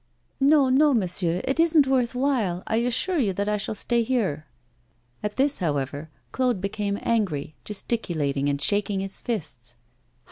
'No, no, monsieur, it isn't worth while; I assure you that I shall stay here.' At this, however, Claude became angry, gesticulating and shaking his fists.